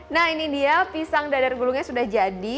nah ini dia pisang dadar gulungnya sudah jadi